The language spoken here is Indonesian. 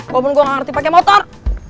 walaupun gue gak ngerti pakai motor